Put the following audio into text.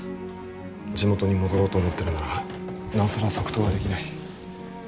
地元に戻ろうと思ってるならなおさら即答はできない。